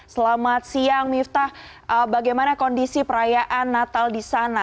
selamat siang miftah bagaimana kondisi perayaan natal di sana